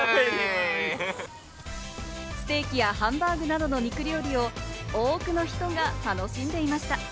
ステーキやハンバーグなどの肉料理を多くの人が楽しんでいました。